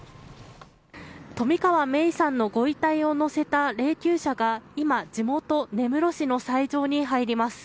冨川芽生さんのご遺体を乗せた霊きゅう車が今、地元・根室市の斎場に入ります。